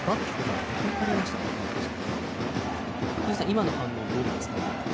今の反応はどう見ますか？